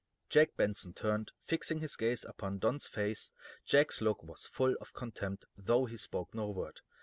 Jack Benson turned, fixing his gaze upon Don's face Jack's look was full of contempt, though he spoke no word.